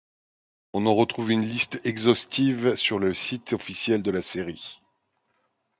On en retrouve une liste exhaustive sur le site officiel de la série.